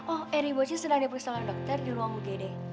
oh eri bocin sedang diperkisahkan dokter di ruang ugd